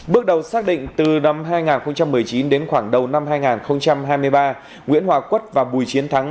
bước đầu xác định từ năm hai nghìn một mươi chín đến khoảng đầu năm hai nghìn hai mươi ba nguyễn hòa quất và bùi chiến thắng